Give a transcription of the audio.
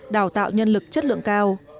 đào tạo nhân lực chất lượng cao